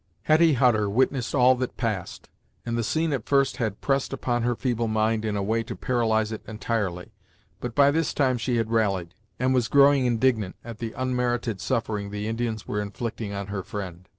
Hetty Hutter witnessed all that passed, and the scene at first had pressed upon her feeble mind in a way to paralyze it entirely; but, by this time she had rallied, and was growing indignant at the unmerited suffering the Indians were inflicting on her friend.